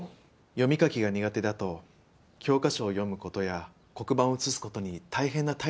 読み書きが苦手だと教科書を読む事や黒板を写す事に大変な体力を使うんです。